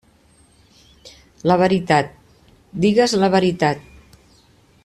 La veritat..., digues la veritat.